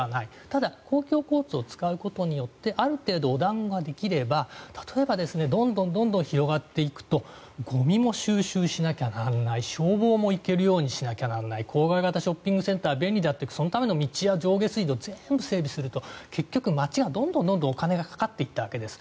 ただ公共交通を使うことによってある程度お団子ができれば例えば、どんどん広がっていくとゴミも収集しなきゃならない消防も行けるようにしなきゃならない郊外型ショッピングセンター便利だってそのための道や上下水道全部整備すると結局、街はどんどんお金がかかっていったわけです。